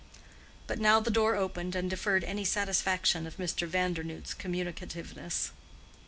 But now the door opened and deferred any satisfaction of Mr. Vandernoodt's communicativeness.